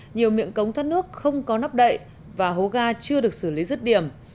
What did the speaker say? nhiều miệng cống thoát nước không có nắp đậy và hố ga chưa được xử lý rứt điểm